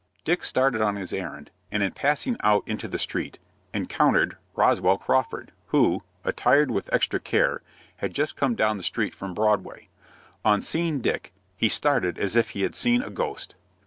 Dick started on his errand, and, in passing out into the street, encountered Roswell Crawford, who, attired with extra care, had just come down the street from Broadway. On seeing Dick, he started as if he had seen a ghost.